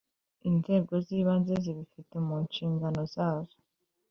Inzego z’ Ibanze zibifite munshingano zazo